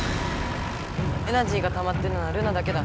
エナジーがたまってるのはルナだけだ。